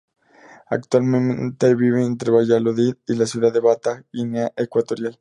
Actualmente vive entre Valladolid y la ciudad de Bata, Guinea Ecuatorial.